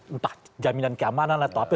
entah jaminan keamanan atau apa